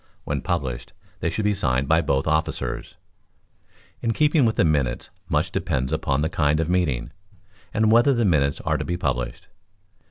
When published, they should be signed by both officers. In keeping the minutes much depends upon the kind of meeting, and whether the minutes are to be published.